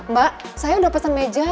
mbak saya udah pesan meja